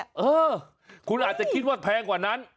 เออคุณอาจจะคิดว่าแพงกว่านั้น